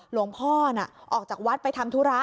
หลวงพ่อน่ะออกจากวัดไปทำธุระ